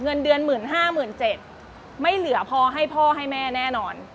เงินเดือนหมื่นห้าหมื่นเจ็ดไม่เหลือพอให้พ่อให้แม่แน่นอน